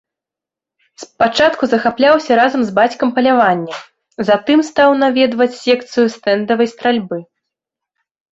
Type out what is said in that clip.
Спачатку захапляўся разам з бацькам паляваннем, затым стаў наведваць секцыю стэндавай стральбы.